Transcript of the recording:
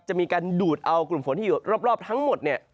จะมีการดูดเอากลุ่มฝนที่อยู่รอบทั้งหมดเนี่ย